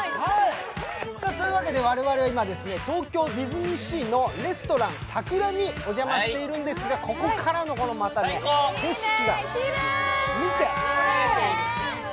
というわけで我々は東京ディズニーシーのレストラン櫻にお邪魔しているんですが、ここからの景色が見て。